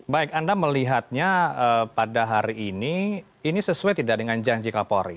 baik anda melihatnya pada hari ini ini sesuai tidak dengan janji kapolri